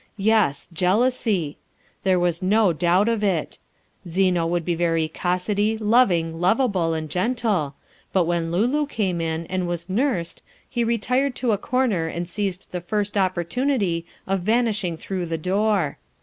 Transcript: Yes, jealousy! There was no doubt of it. Zeno would be very cossetty, loving, lovable, and gentle, but when Lulu came in and was nursed he retired to a corner and seized the first opportunity of vanishing through the door.